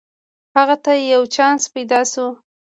هغه ته یو چانس پیداشو